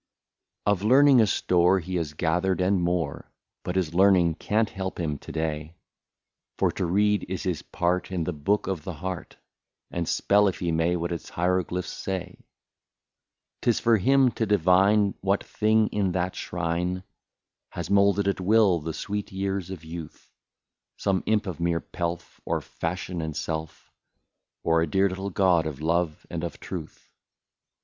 Of learning a store he has gathered and more, But his learning can't help him to day ; For to read is his part in the book of the heart, And spell, if he may, what its hieroglyphs say. 'T is for him to divine what thing in that shrine Has moulded at will the sweet years of youth, Some imp of mere pelf, of fashion, and self. Or a dear little god of love and of truth.